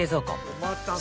おまたせ！